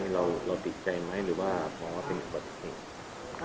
เราติดใจไหมหรือว่ามองว่าเป็นอุบัติเหตุ